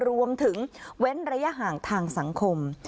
รวมถึงเว้นระยะห่างทางสังคม